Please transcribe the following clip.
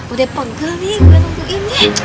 udah pegel nih gue nungguin ya